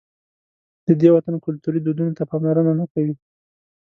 د دې وطن کلتوري دودونو ته پاملرنه نه کوي.